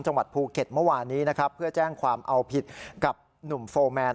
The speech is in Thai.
จังหวัดภูเก็ตเมื่อวานนี้นะครับเพื่อแจ้งความเอาผิดกับหนุ่มโฟร์แมน